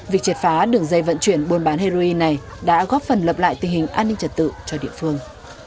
việc triệt phá đường dây vận chuyển buôn bán heroin này đã góp phần lập lại tình hình an ninh trật tự cho địa phương